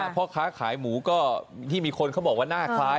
พ่อค้าขายหมูก็ที่มีคนเขาบอกว่าหน้าคล้าย